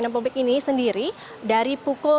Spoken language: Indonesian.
pelayanan publik ini sendiri dari pukul